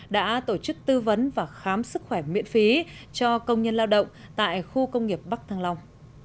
đã tổ chức tư vấn và khám sức khỏe miễn phí cho công nhân lao động tại khu công nghiệp bắc thăng long